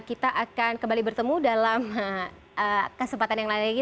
kita akan kembali bertemu dalam kesempatan yang lain lagi